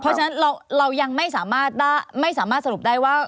เพราะฉะนั้นเรายังไม่สามารถสรุปได้ว่า